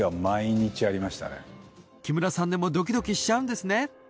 木村さんでもドキドキしちゃうんですね